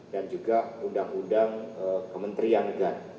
dan juga undang undang kementerian gan